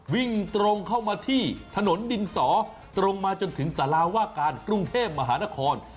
วิ่งตรงเข้ามาที่ถนนดินสอตรงมาจนถึงสาราว่าการกรุงเทพมหานคร